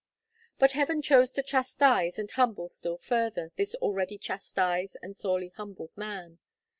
But Heaven chose to chastise and humble still further, this already chastised and sorely humbled man.